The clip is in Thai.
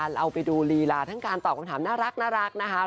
เราไปดูลีลาทั้งการตอบคำถามน่ารักนะคะ